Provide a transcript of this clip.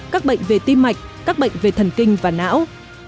các bệnh về tim mạch các bệnh về thần kinh và não